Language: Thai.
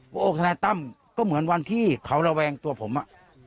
ว่าโอ้ทนายตั้มก็เหมือนวันที่เขาระแวงตัวผมอ่ะ